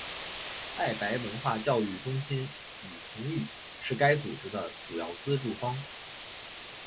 爱白文化教育中心与同语是该组织的主要资助方。